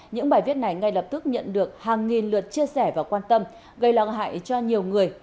những bài viết này ngay lập tức nhận được hàng nghìn lượt chia sẻ và quan tâm gây lo ngại cho nhiều người